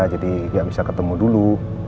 jadi gak bisa ketemu dulu